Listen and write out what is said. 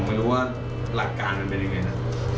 ไม่รู้ว่าหลักการมันเป็นยังไงนะ